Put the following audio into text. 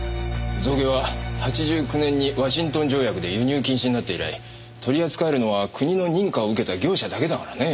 象牙は８９年にワシントン条約で輸入禁止になって以来取り扱えるのは国の認可を受けた業者だけだからね。